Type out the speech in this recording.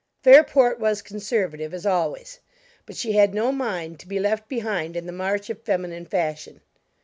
Fairport was conservative, as always, but she had no mind to be left behind in the march of feminine fashion.